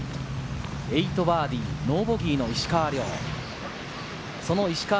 ８バーディー、ノーボギーの石川遼。